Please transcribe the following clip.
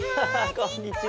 こんにちは。